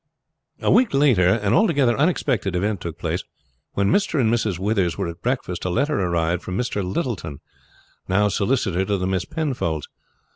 A week later an altogether unexpected event took place. When Mr. and Mrs. Withers were at breakfast a letter arrived from Mr. Littleton, now solicitor to the Miss Penfolds.